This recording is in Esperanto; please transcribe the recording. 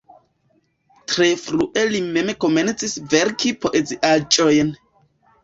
Tre frue li mem komencis verki poeziaĵojn.